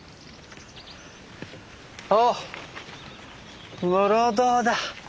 おお室堂だ！